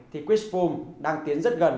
thì chris fulm đang tiến rất gần